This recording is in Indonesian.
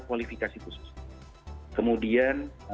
kualifikasi khusus kemudian